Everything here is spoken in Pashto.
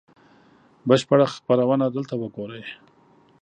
بشپړه خپرونه دلته وګورئ